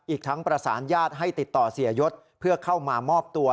อีกทั้งประสานญาติให้ติดต่อเสียยศเพื่อเข้ามามอบตัว